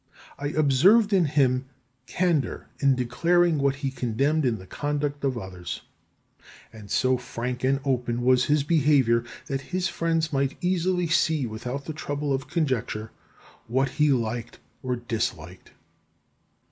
I observed in him candour in declaring what he condemned in the conduct of others; and so frank and open was his behaviour, that his friends might easily see without the trouble of conjecture what he liked or disliked.